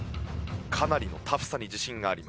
かなりのタフさに自信があります。